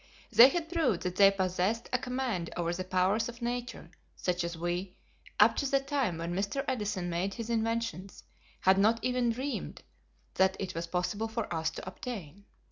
They had proved that they possessed a command over the powers of nature such as we, up to the time when Mr. Edison made his inventions, had not even dreamed that it was possible for us to obtain.